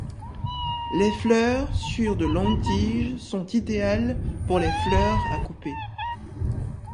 Les fleurs sur de longues tiges sont idéales pour les fleurs à couper.